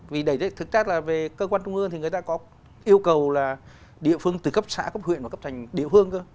vì đấy thực chất là về cơ quan trung ương thì người ta có yêu cầu là địa phương từ cấp xã cấp huyện và cấp thành địa phương cơ